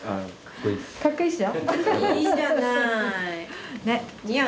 かっこいいでしょ？